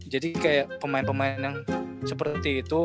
jadi kayak pemain pemain yang seperti itu